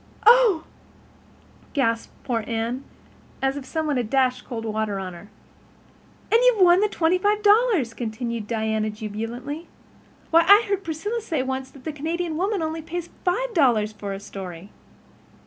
'" "Oh," gasped poor Anne, as if some one had dashed cold water on her. "And you've won the twenty five dollars," continued Diana jubilantly. "Why, I heard Priscilla say once that the Canadian Woman only pays five dollars for a story!"